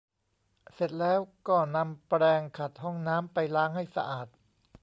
เสร็จแล้วก็นำแปรงขัดห้องน้ำไปล้างให้สะอาด